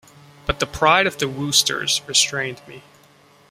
But the pride of the Woosters restrained me.